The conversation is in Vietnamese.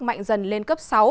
mạnh dần lên cấp sáu